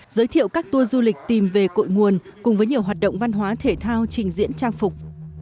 giới thiệu các tour du lịch tìm về cội nguồn cùng với nhiều hoạt động văn hóa thể thao trình diễn trang phục